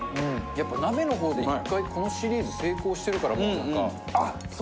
やっぱ鍋の方で１回このシリーズ成功してるから。